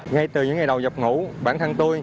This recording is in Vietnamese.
ngay từ những ngày đầu dập ngủ bản thân tôi